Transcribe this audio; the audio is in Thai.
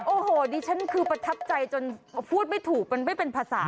โอ้โหดิฉันคือประทับใจจนพูดไม่ถูกมันไม่เป็นภาษา